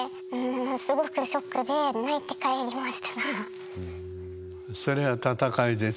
すごくショックで泣いて帰りましたが。